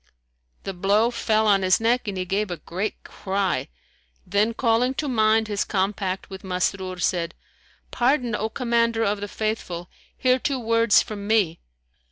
The blow fell on his neck and he gave a great cry, then calling to mind his compact with Masrur, said, "Pardon, O Commander of the Faithful! Hear two words from me."